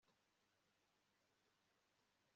Ntabwo nagushinja niba uhisemo kugenda